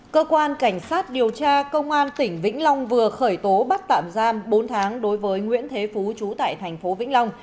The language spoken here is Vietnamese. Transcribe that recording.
cơ quan cảnh sát điều tra công an tỉnh vĩnh long vừa khởi tố bắt tạm giam bốn tháng đối với nguyễn thế phú trú tại thành phố vĩnh long